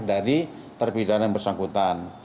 dari terpidana yang bersangkutan